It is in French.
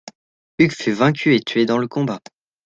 Hugues fut vaincu et tué dans le combat.